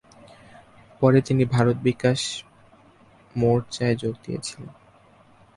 পরে তিনি ভারত বিকাশ মোর্চায় যোগ দিয়েছিলেন।